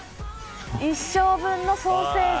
一生分のソーセージ。